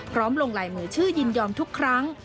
พร้อมลงไหลมีชื่อยินยอมทุกครั้ง